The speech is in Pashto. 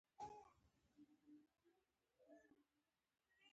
عوض خان کاکا ته مې وویل.